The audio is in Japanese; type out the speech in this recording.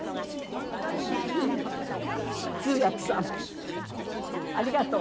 通訳さんありがとう。